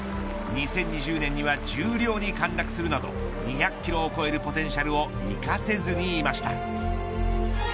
２０２０年には十両に陥落するなど２００キロを超えるポテンシャルを生かせずにいました。